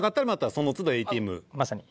まさに。